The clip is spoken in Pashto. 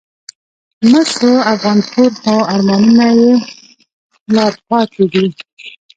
مړ شو افغانپور خو آرمانونه یې لا پاتی دي